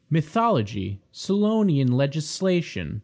Mythology. Solonian Legislation.